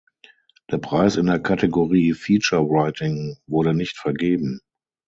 Der Preis in der Kategorie "Feature Writing" wurde nicht vergeben.